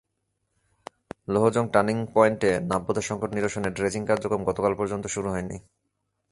Louhajang turning পয়েন্টে নাব্যতা-সংকট নিরসনে ড্রেজিং কার্যক্রম গতকাল পর্যন্ত শুরু হয়নি।